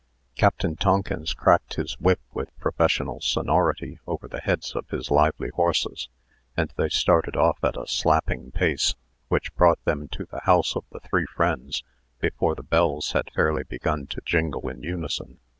Captain Tonkins cracked his whip with professional sonority over the heads of his lively horses, and they started off at a slapping pace, which brought them to the house of the three friends before the bells had fairly begun to jingle in unison.